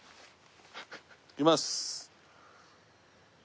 いきます。